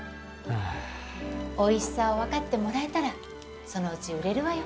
おいしさを分かってもらえたらそのうち売れるわよ。